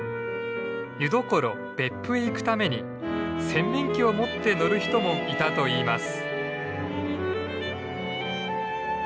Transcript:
湯どころ別府へ行くために洗面器を持って乗る人もいたといいます。